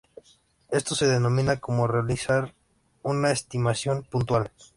Esto se denomina como realizar una estimación puntual.